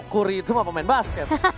kuri itu sama pemain basket